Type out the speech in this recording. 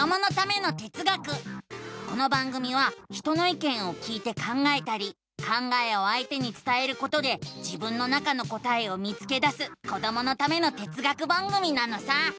この番組は人のいけんを聞いて考えたり考えをあいてにつたえることで自分の中の答えを見つけだすこどものための哲学番組なのさ！